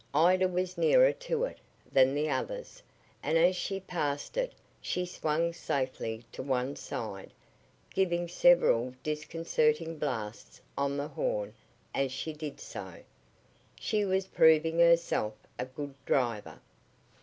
Ida was nearer to it than the others, and as she passed it she swung safely to one side, giving several disconcerting blasts on the horn as she did so. She was proving herself a good driver.